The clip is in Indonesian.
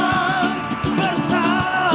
ku ingin terbang bersamamu